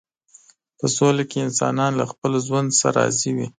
په سوله کې انسانان له خپل ژوند څخه راضي وي.